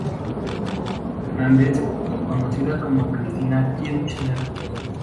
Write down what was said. Fernández, conocida como Cristina Kirchner.